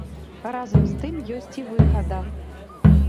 Разам з тым ёсць і выгада.